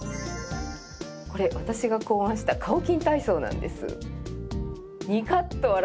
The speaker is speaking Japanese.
これ私が考案したカオキン体操なんです。